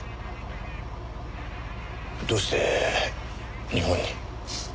どうして日本に？